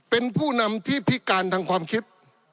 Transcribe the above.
เป็นผู้นำที่พิการทางความคิด